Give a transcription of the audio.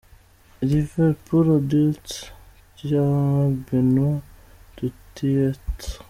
Livre pour adultes, cya Benoît Duteurtre.